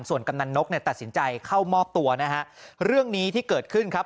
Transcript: ส่วนกำนันนกเนี่ยตัดสินใจเข้ามอบตัวนะฮะเรื่องนี้ที่เกิดขึ้นครับ